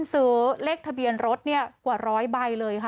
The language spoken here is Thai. เจ็บปุ่นรวยไว้